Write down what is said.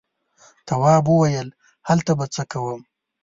تواب وويل: هلته به څه کوم.